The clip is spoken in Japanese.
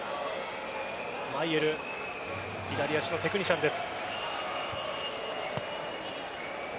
マイェル左足のテクニシャンです。